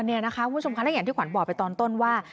เนี่ยนะคะคุณผู้ชมคันและอย่างที่ขวัญบอกไปตอนต้นว่า